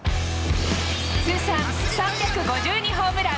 通算３５２ホームラン。